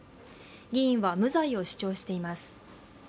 議員は無罪を主張しています。